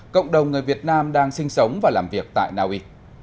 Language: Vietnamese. cộng đồng người việt nam đang sinh sống và làm việc tại naui